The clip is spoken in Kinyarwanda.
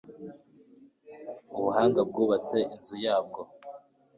ubuhanga bwubatse inzu yabwo